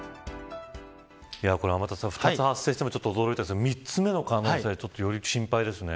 天達さん２つ発生したのも驚きましたが３つ目の可能性より心配ですね。